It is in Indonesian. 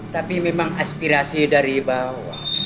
tapi memang aspirasi dari bawah